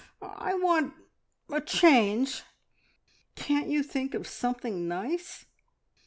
I want a change. Can't you think of something nice?"